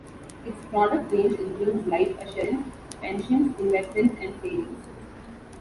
Its product range includes life assurance, pensions, investments and savings.